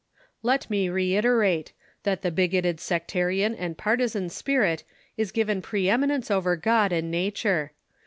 Let me reiterate, that the bigoted sectarian and partisan spirit is given pre eminence over God and nature.